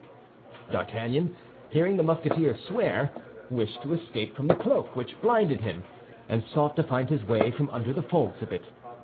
D'Artagnan, hearing the Musketeer swear, wished to escape from the cloak, which blinded him, and sought to find his way from under the folds of it.